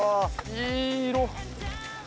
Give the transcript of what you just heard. いい色。